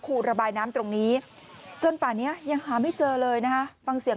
เขาเขาเล่นน้ำผลนับแล้วก็เขาลงไปที่ครูก็เขาลืมแล้วก็หน้าเขาฝันแล้วก็น้ำมันพัดพัดพาเขามาแล้วก็